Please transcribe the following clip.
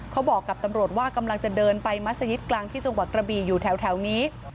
เขาบอกกับตำรวจว่ากำลังจะเดินไปมัศยิตกลางที่จังหวัดกระบีอยู่แถวนี้